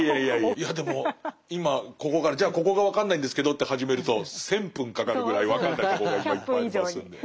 いやでも今ここからじゃあここが分かんないんですけどって始めると１，０００分かかるぐらい分かんないとこがいっぱいありますんで。